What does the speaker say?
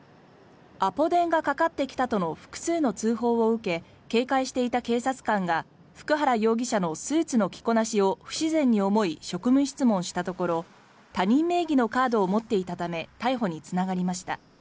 アポ電がかかってきたとの複数の通報を受け警戒していた警察官が普久原容疑者のスーツの着こなしを不自然に思い職務質問したところ他人名義のカードを持っていたため逮捕につながりました。